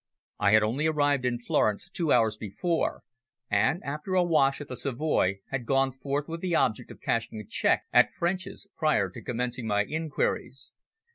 I had only arrived in Florence two hours before, and, after a wash at the Savoy, had gone forth with the object of cashing a cheque at French's, prior to commencing my inquiries.